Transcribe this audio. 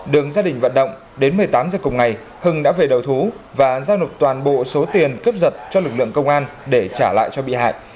đường gia đình vận động đến một mươi tám giờ cùng ngày hưng đã về đầu thú và giao nộp toàn bộ số tiền cướp giật cho lực lượng công an để trả lại cho bị hại